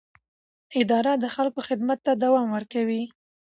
اداره د خلکو خدمت ته دوام ورکوي.